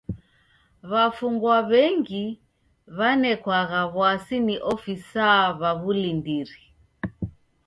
W'afungwa w'engi w'anekwagha w'asi ni ofisaa w'a w'ulindiri.